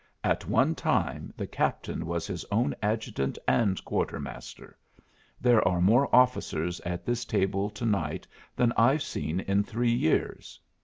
At one time the Captain was his own adjutant and quartermaster. There are more officers at this table to night than I've seen in three years.